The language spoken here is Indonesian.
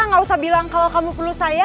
nggak usah bilang kalau kamu perlu saya